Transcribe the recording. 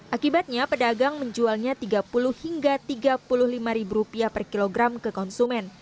akibatnya pedagang menjualnya rp tiga puluh hingga rp tiga puluh lima per kilogram ke konsumen